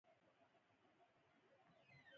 زموږ ګروپ اتیا کسه دی.